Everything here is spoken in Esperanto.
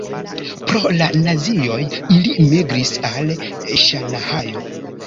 Pro la nazioj ili migris al Ŝanhajo.